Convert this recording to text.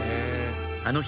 あの日